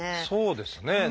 そうですね。